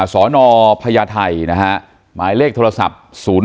สอนอพญาไทยนะฮะหมายเลขโทรศัพท์๐๒๓๕๔๖๙๕๘